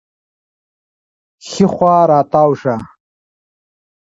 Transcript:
ښي خوا راتاو شه